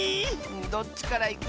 どっちからいく？